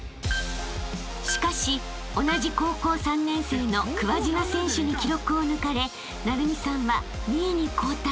［しかし同じ高校３年生の桑島選手に記録を抜かれ晟弓さんは２位に後退］